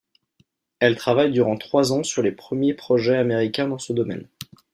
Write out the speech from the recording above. Elle travaille durant trois ans sur les premiers projets américains dans ce domaine.